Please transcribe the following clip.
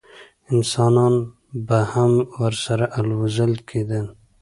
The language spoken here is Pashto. انسانان به هم ورسره الوزول کېدل.